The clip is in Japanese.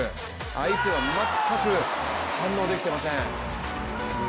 相手は全く反応できてません。